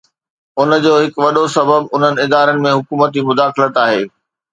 ان جو هڪ وڏو سبب انهن ادارن ۾ حڪومتي مداخلت آهي.